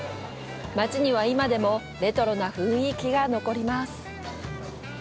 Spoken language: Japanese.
街には、今でもレトロな雰囲気が残ります。